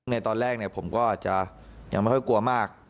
ในตอนแรกผมก็อาจจะยังไม่ค่อยกลัวมาก